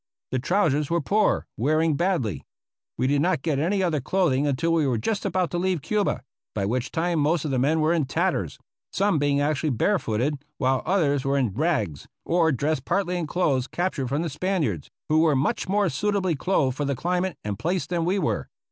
The trousers were poor, wearing badly. We did not get any 275 APPENDIX B other clothing until we were just about to leave Cuba, by which time most of the men were in tatters ; some being actually barefooted, while others were in rags, or dressed partly in clothes captured from the Spaniards, who were much more suitably clothed for the climate and place than we were.